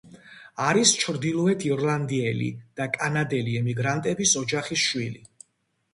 არის ჩრდილოეთ ირლანდიელი და კანადელი ემიგრანტების ოჯახის შვილი.